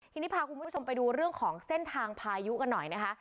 ทีนี้พาคุณผู้ชมไปดูเรื่องของเส้นทางพายุกันหน่อยนะคะ